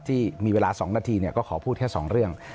ที่มีเวลา๒นาทีก็ขอพูดแค่๒เรื่อง